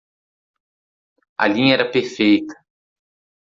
A linha era perfeita.